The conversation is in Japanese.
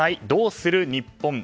どうする日本。